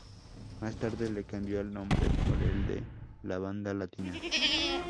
Más tarde, le cambió el nombre por el de "La Banda Latina".